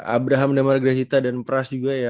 abraham demaregresita dan pras juga